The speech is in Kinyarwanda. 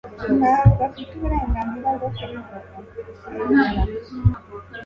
ntabwo afite uburenganzira bwo kubivuga. (_kuyobora)